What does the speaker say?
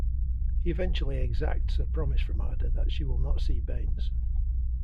He eventually exacts a promise from Ada that she will not see Baines.